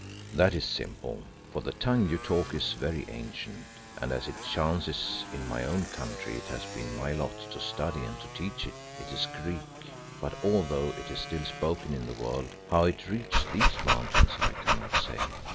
"That is simple, for the tongue you talk is very ancient, and as it chances in my own country it has been my lot to study and to teach it. It is Greek, but although it is still spoken in the world, how it reached these mountains I cannot say."